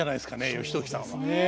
義時さんは。ねえ。